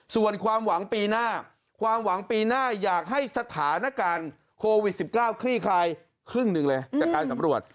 ส่วนความหวังปีหน้าความหวังปีหน้าอยากให้สถานการณ์โควิด๑๙คลี่คลายครึ่งหนึ่งเลยจากการสำรวจ